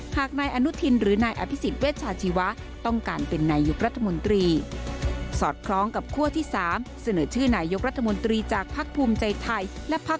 หากนายอนุทินหรือนายอภิษฎเวชาชีวะ